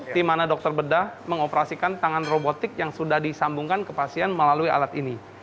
di mana dokter bedah mengoperasikan tangan robotik yang sudah disambungkan ke pasien melalui alat ini